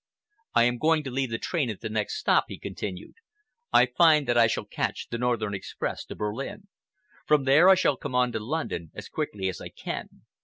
"I am going to leave the train at the next stop," he continued. "I find that I shall just catch the Northern Express to Berlin. From there I shall come on to London as quickly as I can.